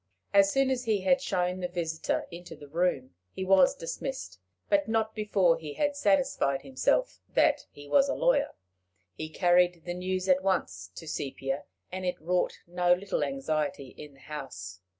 As soon as he had shown the visitor into the room he was dismissed, but not before he had satisfied himself that he was a lawyer. He carried the news at once to Sepia, and it wrought no little anxiety in the house.